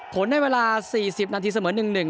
ผลได้เวลาสี่สิบนาทีเสมอหนึ่งหนึ่ง